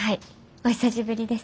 お久しぶりです。